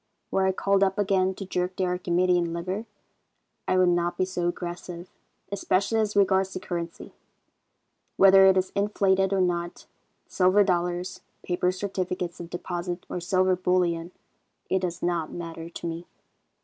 Were I called up again to jerk the Archimedean lever, I would not be so aggressive, especially as regards the currency. Whether it is inflated or not, silver dollars, paper certificates of deposit or silver bullion, it does not matter to me.